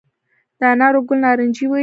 د انارو ګل نارنجي وي؟